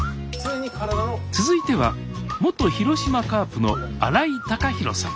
続いては元広島カープの新井貴浩さん。